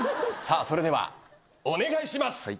それではお願いします。